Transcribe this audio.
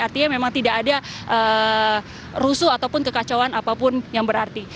artinya memang tidak ada rusuh ataupun kekacauan apapun yang berarti